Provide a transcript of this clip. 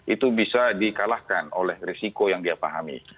itu bisa dikalahkan oleh risiko yang dia pahami